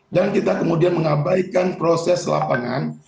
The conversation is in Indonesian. dan kita kemudian mengabaikan proses lapangan